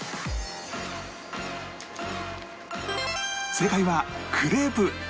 正解はクレープでした